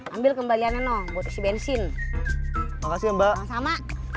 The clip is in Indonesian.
ambil kembalian eno buat si bensin makasih mbak sama